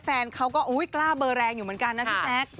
แฟนเขาก็กล้าเบอร์แรงอยู่เหมือนกันนะพี่แจ๊ค